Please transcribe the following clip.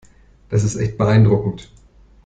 Das ist echt beeindruckend.